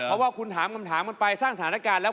เพราะว่าคุณถามคำถามมันไปสร้างสถานการณ์แล้ว